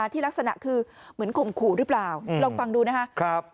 ลักษณะคือเหมือนข่มขู่หรือเปล่าลองฟังดูนะครับ